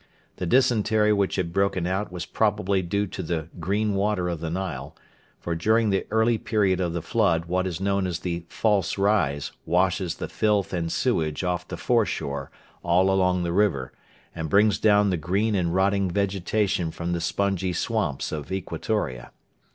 The dysentery which had broken out was probably due to the 'green' water of the Nile; for during the early period of the flood what is known as 'the false rise' washes the filth and sewage off the foreshore all along the river, and brings down the green and rotting vegetation from the spongy swamps of Equatoria.